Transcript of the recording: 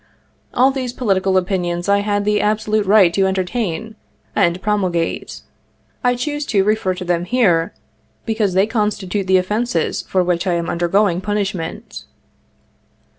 All these political opinions I had the absolute right to entertain and pro mulgate. I choose to refer to them here, because they constitute the offences for which I am undergoing punishment.